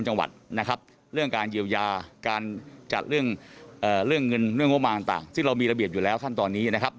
จากเรื่องเงินงบมาต่างซึ่งเรามีระเบียบอยู่แล้วขั้นตอนนี้นะครับ